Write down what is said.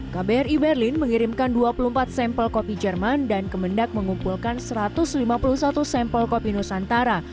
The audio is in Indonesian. kbri berlin mengirimkan dua puluh empat sampel kopi jerman dan kemendak mengumpulkan satu ratus lima puluh satu sampel kopi nusantara